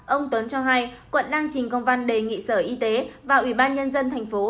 ông tuấn cho hay quận đang trình công văn đề nghị sở y tế và ủy ban nhân dân thành phố